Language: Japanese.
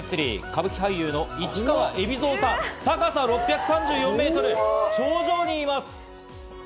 歌舞伎俳優の市川海老蔵さん、高さ６３４メートルの頂上にいます。